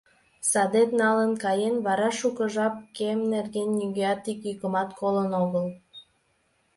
Садет налын каен, вара шуко жап кем нерген нигӧат ик йӱкымат колын огыл.